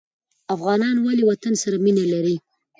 افغانان ولې وطن سره مینه لري؟